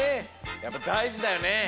やっぱだいじだよね。